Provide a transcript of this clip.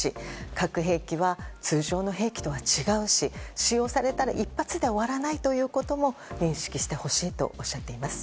核兵器は通常の兵器とは違うし使用されたら１発で終わらないということも認識してほしいとおっしゃっています。